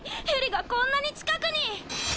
ヘリがこんなに近くに！